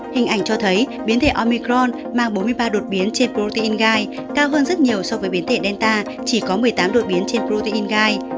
hình ảnh cho thấy biến thể omicron mang bốn mươi ba đột biến trên protein gai cao hơn rất nhiều so với biến thể delta chỉ có một mươi tám đột biến trên protein gai